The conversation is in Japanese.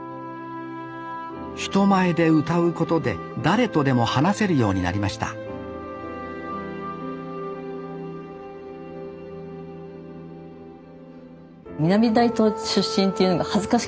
人前で歌うことで誰とでも話せるようになりました南大東出身って言うのが恥ずかしかったんですよ。